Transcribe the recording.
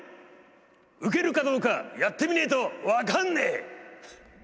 受けるかどうかやってみねえと分かんねえ！